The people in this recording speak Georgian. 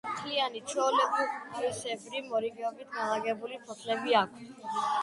მთლიანი, ჩვეულებრივ ტყავისებრი, მორიგეობით განლაგებული ფოთლები აქვთ.